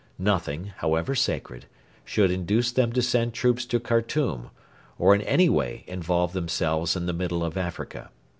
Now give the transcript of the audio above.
Nothing, however sacred, should induce them to send troops to Khartoum, or in any way involve themselves in the middle of Africa.